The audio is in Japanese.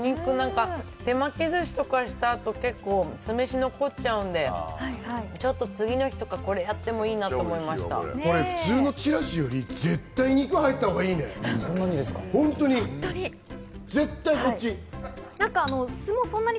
手巻きずしとかした後、結構酢飯が残っちゃうんで、ちょっと次の日とかこれやってもいいなと思いまこれ、普通のちらしより絶対、肉入ったほうがいいね、本当に。